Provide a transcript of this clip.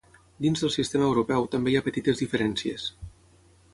Dins del sistema europeu també hi ha petites diferències.